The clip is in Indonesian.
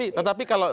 iya tetapi kalau